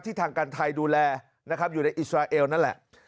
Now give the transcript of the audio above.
ทางการไทยดูแลนะครับอยู่ในอิสราเอลนั่นแหละ